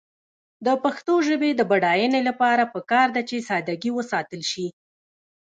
د پښتو ژبې د بډاینې لپاره پکار ده چې ساده ګي وساتل شي.